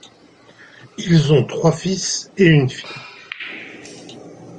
Ils ont trois fils et une fille.